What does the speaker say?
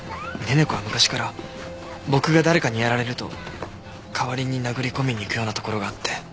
寧々子は昔から僕が誰かにやられると代わりに殴り込みに行くようなところがあって。